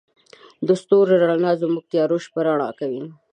د ستورو رڼا زموږ تیاره شپه رڼا کوي.